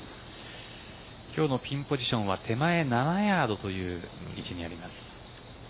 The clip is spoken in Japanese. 今日のピンポジションは手前７ヤードという位置にあります。